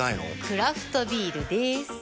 クラフトビールでーす。